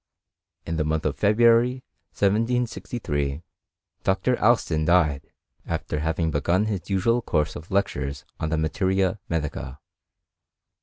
In the month of February, 1763, Dr. Alston died, after having begun his usual course of lectures on the materia medica.